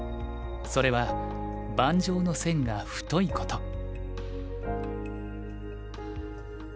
それは盤上の線が太いこと。